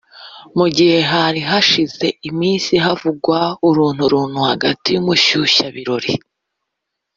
Mu gihe hari hashize iminsi havugwa urunturuntu hagata y’umushyushya birori